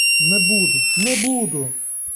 Не буду, не буду!